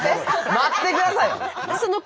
待ってくださいよ！